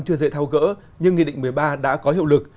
chưa dễ thao gỡ nhưng nghị định một mươi ba đã có hiệu lực